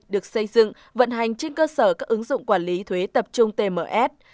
được xây dựng vận hành trên cơ sở các ứng dụng quản lý thuế tập trung tms